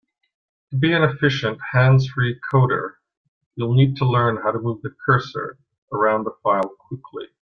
To be an efficient hands-free coder, you'll need to learn how to move the cursor around a file quickly.